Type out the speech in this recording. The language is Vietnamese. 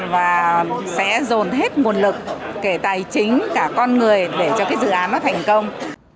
và sẽ dồn hết nguồn lực kể tài chính cả con người để cho cái dự án nó thành công